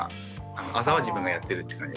朝は自分がやってるって感じですね。